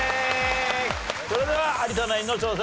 それでは有田ナインの挑戦です。